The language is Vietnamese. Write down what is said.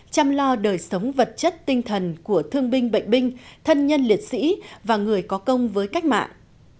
chăm lo đời sống vật chất tinh thần của thương binh bệnh binh thân nhân liệt sĩ và người có công với cách mạng